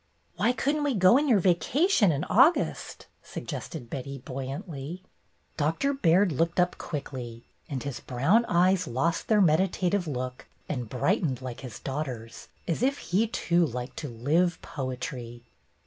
'' "Why could n't we go in your vacation in August?" suggested Betty, buoyantly. Doctor Baird looked up quickly, and his brown eyes lost their meditative look and brightened like his daughter's, as if he, too, liked to "live poetry."